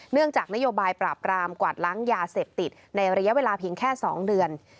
จากนโยบายปราบกรามกวาดล้างยาเสพติดในระยะเวลาเพียงแค่๒เดือน